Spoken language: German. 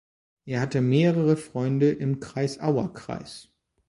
Er hatte mehrere Freunde im Kreisauer Kreis.